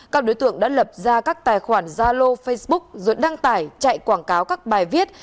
các đối tượng đã lập ra các tài khoản zalo facebook rồi đăng tải chạy quảng cáo các bài viết